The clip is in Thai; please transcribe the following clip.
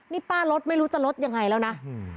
นี่ป้ารถไม่รู้จะลดยังไงแล้วนะ